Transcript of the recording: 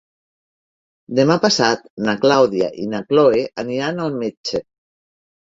Demà passat na Clàudia i na Cloè aniran al metge.